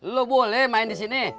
lo boleh main disini